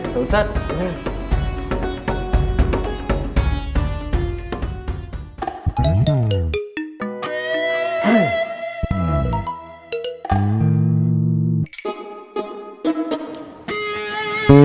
waalaikumsalam warahmatullah wabarakatuh